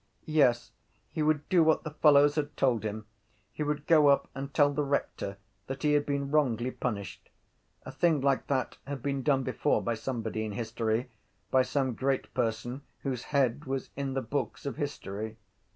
Yes, he would do what the fellows had told him. He would go up and tell the rector that he had been wrongly punished. A thing like that had been done before by somebody in history, by some great person whose head was in the books of history.